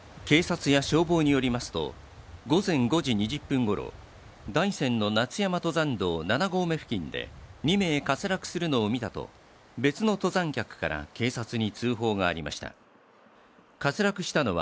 警察や消防によりますと午前５時２０分ごろ、大山の夏山登山道７合目付近で２名滑落するのを見たと別の登山客から警察に通報がありました。